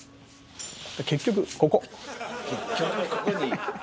結局ここに。